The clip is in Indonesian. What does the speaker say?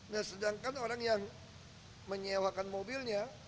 nah sedangkan orang yang menyewakan mobilnya